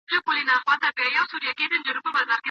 دوهم صورت د ځمکې پر مخ د فساد دی.